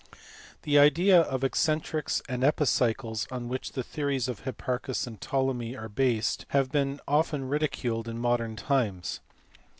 The idea of excentrics and epicycles on which the theories of Hipparchus and Ptolemy are based has been often ridiculed in modern times.